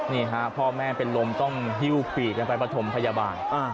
นี่ฮะพ่อแม่เป็นลมต้องหิ้วปีกกันไปประถมพยาบาล